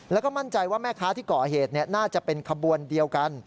แล้วก็มั่นใจว่าแม่ค้าที่ก่อเหตุน่าจะเป็นขบวนเดียวกัน